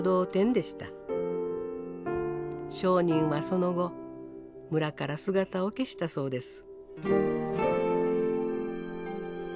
商人はその後村から姿を消したそうです。